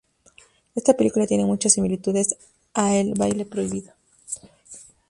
Esta Película tiene muchas similitudes a El Baile Prohibido.